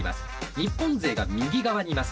日本勢が右側にいます。